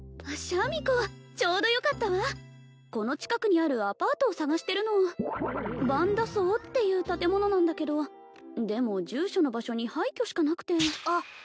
シャミ子ちょうどよかったわこの近くにあるアパートを探してるのばんだ荘っていう建物なんだけどでも住所の場所に廃虚しかなくてあっ